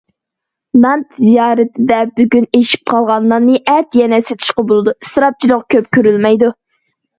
نان تىجارىتىدە بۈگۈن ئېشىپ قالغان ناننى ئەتە يەنە سېتىشقا بولىدۇ، ئىسراپچىلىق كۆپ كۆرۈلمەيدۇ.